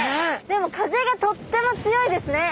でも風がとっても強いですね。